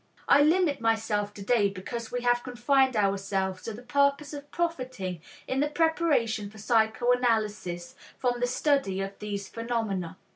I limit myself to day because we have confined ourselves to the purpose of profiting in the preparation for psychoanalysis from the study of these phenomena.